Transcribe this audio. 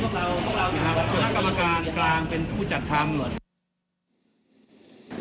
คณะกรรมการกลางเป็นผู้จัดทำเหรอ